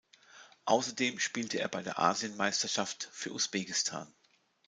Außerdem spielte er bei der Asienmeisterschaft für Usbekistan.